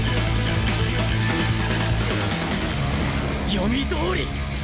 読みどおり！